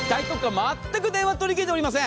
全く電話取り切れておりません。